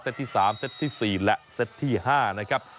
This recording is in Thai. ซ็ตที่๓ซ็ตที่๔และซ็ตที่๕นะครับ